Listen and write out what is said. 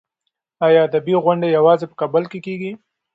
ایا ادبي غونډې یوازې په کابل کې کېږي؟